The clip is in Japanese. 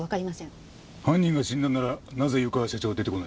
犯人が死んだんならなぜ湯川社長は出て来ない？